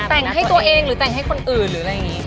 แต่งให้ตัวเองหรือแต่งให้คนอื่นหรืออะไรอย่างนี้